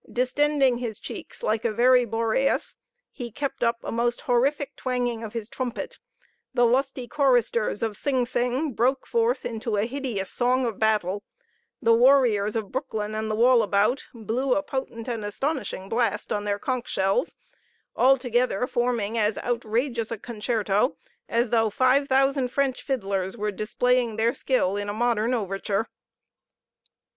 Distending his cheeks like a very Boreas, he kept up a most horrific twanging of his trumpet the lusty choristers of Sing Sing broke forth into a hideous song of battle the warriors of Breuckelen and the Wallabout blew a potent and astounding blast on their conch shells, altogether forming as outrageous a concerto as though five thousand French fiddlers were displaying their skill in a modern overture.